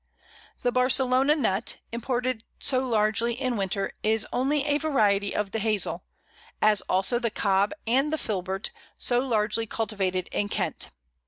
The Barcelona nut, imported so largely in winter, is only a variety of the Hazel; as also the Cob and the Filbert, so largely cultivated in Kent.